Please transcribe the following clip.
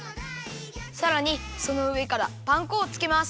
さらにそのうえからパン粉をつけます。